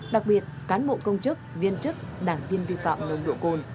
đặc biệt cán bộ công chức viên chức đảng viên vi phạm nồng độ cồn